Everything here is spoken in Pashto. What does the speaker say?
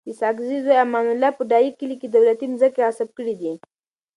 د ساګزی زوی امان الله په ډایی کلی کي دولتي مځکي غصب کړي دي